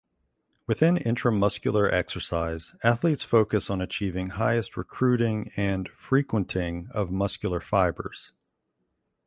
Within intramuscular exercise athletes focus on achieving highest recruiting and frequenting of muscular fibres.